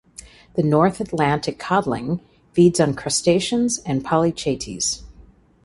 The North Atlantic codling feeds on crustaceans and polychaetes.